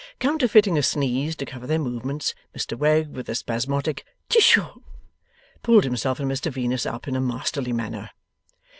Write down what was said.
Counterfeiting a sneeze to cover their movements, Mr Wegg, with a spasmodic 'Tish ho!' pulled himself and Mr Venus up in a masterly manner.